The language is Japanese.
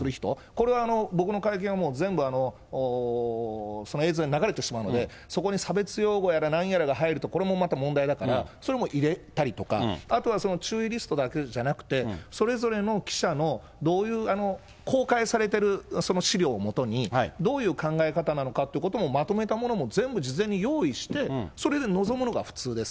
これは僕の会見はもう、全部映像に流れてしまうので、そこに差別用語やらなんやらが入ると、これもまた問題だから、それも入れたりとか、あとは注意リストだけじゃなくて、それぞれの記者のどういう公開されてる資料を基に、どういう考え方なのかということもまとめたものも全部事前に用意して、それで臨むのが普通です。